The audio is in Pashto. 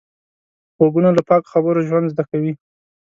غوږونه له پاکو خبرو ژوند زده کوي